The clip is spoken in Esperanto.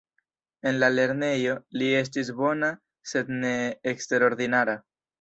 En la lernejo, li estis bona sed ne eksterordinara.